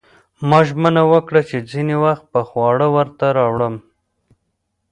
ما ژمنه وکړه چې ځینې وخت به خواړه ورته راوړم